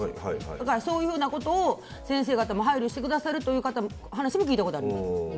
だから、そういうふうなことを先生方も配慮してくださるという話も聞いたことあります。